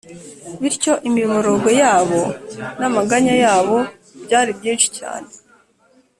bityo imiborogo yabo n’amaganya yabo byari byinshi cyane.